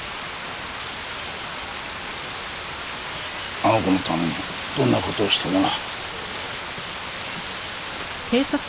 あの子のためにどんな事をしてもな。